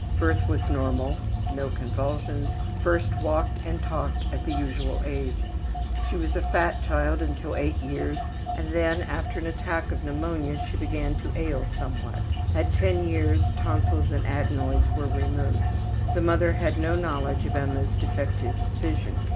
Birth was normal. No convulsions. First walked and talked at the usual age. She was a fat child until 8 years, and then, after an attack of pneumonia, she began to ail somewhat. At 10 years tonsils and adenoids were removed. The mother had no knowledge of Emma's defective vision.